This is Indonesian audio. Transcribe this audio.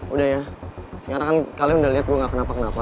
udah ya sekarang kan kalian udah lihat gue gak kenapa kenapa